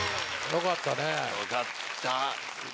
よかった。